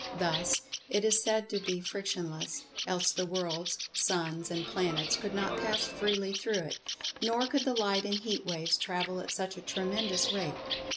Thus, it is said to be frictionless, else the worlds, suns and planets could not pass freely through it, nor could the light and heat waves travel at such a tremendous rate.